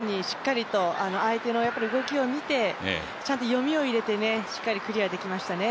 よく冷静に飛び込まずにしっかりと相手の動きを見てちゃんと読みを入れてしっかりクリアできましたね。